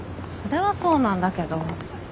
それはそうなんだけど。